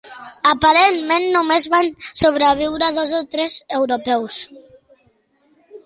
Aparentment només van sobreviure dos o tres europeus.